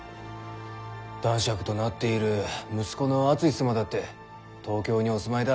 男爵となっている息子の厚様だって東京にお住まいだ。